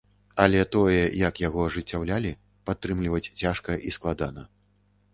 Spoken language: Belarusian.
Але тое, як яго ажыццяўлялі, падтрымліваць цяжка і складана.